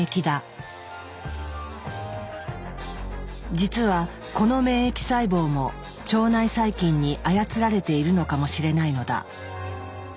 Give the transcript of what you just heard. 実はこの免疫細胞も腸内細菌に操られているのかもしれないのだ。